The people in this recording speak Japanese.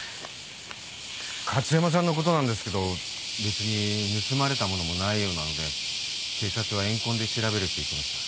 加津山さんのことなんですけど別に盗まれた物もないようなので警察は怨恨で調べるって言ってました。